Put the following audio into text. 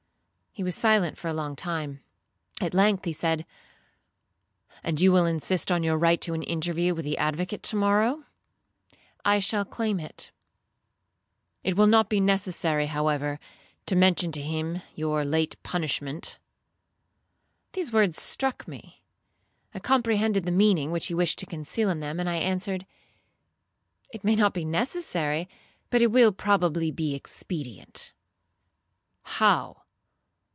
He was silent for a long time; at length he said, 'And you will insist on your right to an interview with the advocate to morrow?'—'I shall claim it.'—'It will not be necessary, however, to mention to him your late punishment.' These words struck me. I comprehended the meaning which he wished to conceal in them, and I answered, 'It may not be necessary, but it will probably be expedient.'—'How?